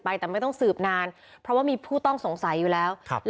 แต่ไม่ต้องสืบนานเพราะว่ามีผู้ต้องสงสัยอยู่แล้วครับ